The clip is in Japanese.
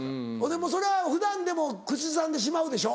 それは普段でも口ずさんでしまうでしょ？